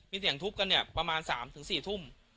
มีเสียงทุบกันเนี่ยประมาณสามถึงสี่ทุ่ม